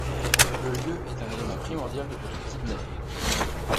Le lieu est un élément primordial de votre kidnapping.